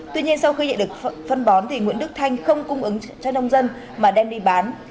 tuy nhiên sau khi nhận được phân bón nguyễn đức thanh không cung ứng cho nông dân mà đem đi bán